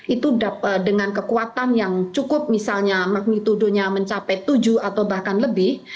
itu dengan kekuatan yang cukup misalnya magnitudonya mencapai tujuh atau bahkan lebih